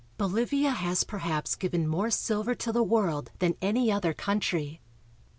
Bolivia has perhaps given more silver to the world than any other country.